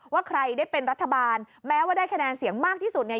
ว่าใครได้เป็นรัฐบาลแม้ว่าได้คะแนนเสียงมากที่สุดเนี่ย